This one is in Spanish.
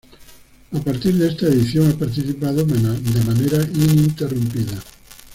A partir de esta edición ha participado de manera ininterrumpida.